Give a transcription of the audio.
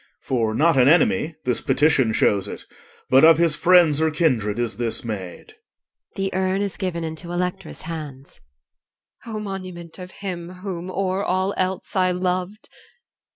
For not an enemy this petition shows it But of his friends or kindred, is this maid. [The urn is given into ELECTRA'S hands EL. O monument of him whom o'er all else I loved!